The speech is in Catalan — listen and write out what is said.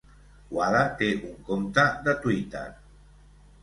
Wada té un compte de Twitter.